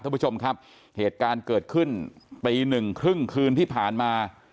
ท่านผู้ชมครับเหตุการณ์เกิดขึ้นตีหนึ่งครึ่งคืนที่ผ่านมา